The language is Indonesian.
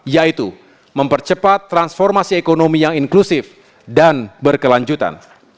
yaitu mempercepat transformasi ekonomi yang inklusif dan berkelanjutan